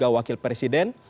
dan juga wakil presiden